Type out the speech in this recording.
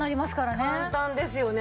簡単ですよね。